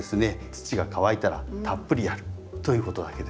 土が乾いたらたっぷりやるということだけです。